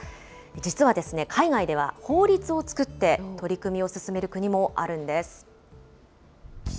実は、海外では法律を作って取り組みを進める国もあるんです。